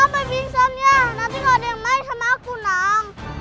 nisam ya nanti kau deng mai sama aku nang